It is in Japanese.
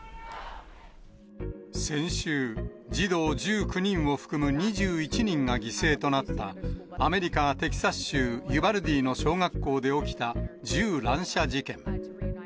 先週、児童１９人を含む２１人が犠牲となったアメリカ・テキサス州ユバルディの小学校で起きた銃乱射事件。